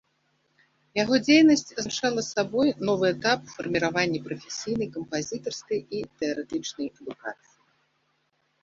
Яго дзейнасць азначала сабой новы этап у фарміраванні прафесійнай кампазітарскай і тэарэтычнай адукацыі.